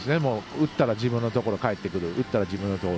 打ったら自分のところ返ってくる。